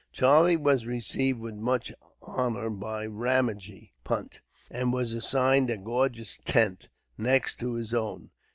Charlie was received with much honor by Ramajee Punt, and was assigned a gorgeous tent, next to his own.